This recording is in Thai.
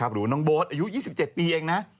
หรือน้องโบ๊ทอายุ๒๗ปีเองนะ